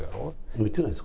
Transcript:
向いてないですか？